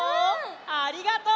ありがとう！